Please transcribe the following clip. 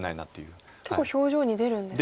結構表情に出るんですか？